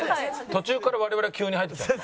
途中から我々急に入ってきたんですか？